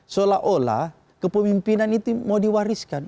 seolah olah kepemimpinan itu mau diwariskan